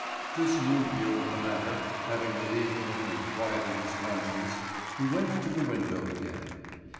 This new view of the matter having relieved him and quieted his conscience, he went to the window again.